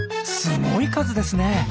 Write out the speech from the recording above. すごい数ですね！